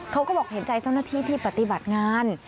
เขาก็บอกเห็นใจเจ้าหน้าที่ที่ปฏิบัติงาน